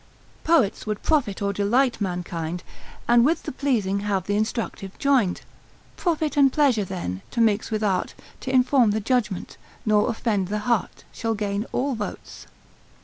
Poets would profit or delight mankind, And with the pleasing have th' instructive joined. Profit and pleasure, then, to mix with art, T' inform the judgment, nor offend the heart, Shall gain all votes.